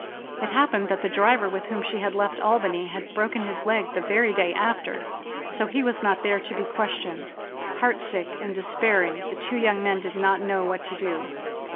It happened that the driver with whom she had left Albany had broken his leg the very day after, so he was not there to be questioned. Heartsick and despairing, the two young men did not know what to do.